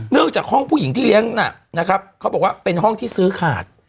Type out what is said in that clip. จากห้องผู้หญิงที่เลี้ยงนะครับเขาบอกว่าเป็นห้องที่ซื้อขาด